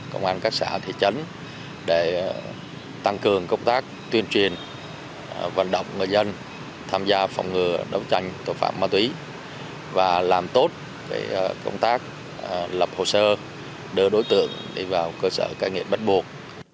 công an các xã thị trấn để tăng cường công tác tuyên truyền vận động người dân tham gia phòng ngừa đấu tranh tội phạm ma túy và làm tốt công tác lập hồ sơ đưa đối tượng đi vào cơ sở ca nghiện bắt buộc